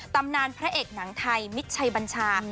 ตำนานพระเอกหนังไทยมิตรชัยบัญชา